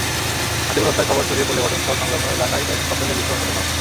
হাসিবুল হত্যার খবর ছড়িয়ে পড়লে ঘটনাস্থল সংলগ্ন এলাকায় কয়েকটি ককটেলের বিস্ফোরণ ঘটানো হয়।